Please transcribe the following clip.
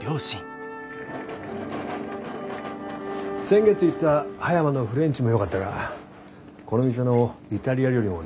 先月行った葉山のフレンチもよかったがこの店のイタリア料理もなかなかだね。